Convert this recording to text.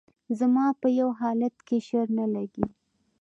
زما په يو حالت کښې شر نه لګي